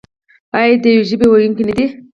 آیا د یوې ژبې ویونکي نه دي؟